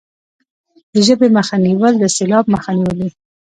د ژبې مخه نیول د سیلاب مخه نیول دي.